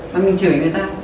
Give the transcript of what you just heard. mà mình chửi người ta